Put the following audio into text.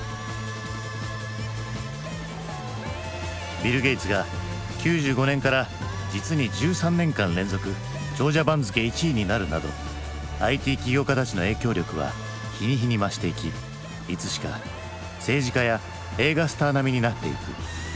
ビル・ゲイツが９５年から実に１３年間連続長者番付１位になるなどＩＴ起業家たちの影響力は日に日に増していきいつしか政治家や映画スター並みになってゆく。